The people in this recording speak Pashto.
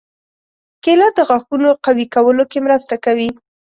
کېله د غاښونو قوي کولو کې مرسته کوي.